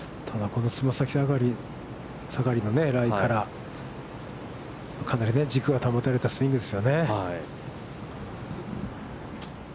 このつま先下がりのライからかなり軸が保たれたスイングですよね。